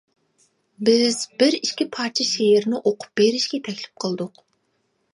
بىز بىر، ئىككى پارچە شېئىرنى ئوقۇپ بېرىشكە تەكلىپ قىلدۇق.